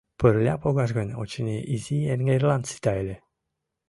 Пырля погаш гын, очыни, изи эҥерлан сита ыле.